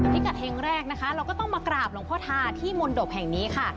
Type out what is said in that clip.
พิกัดเฮงแรกนะคะเราก็ต้องมากราบหลวงพ่อทาที่มนตบแห่งนี้ค่ะ